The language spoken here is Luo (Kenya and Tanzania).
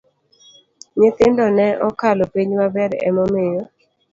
Nyithindo ne okalo penj maber emomiyo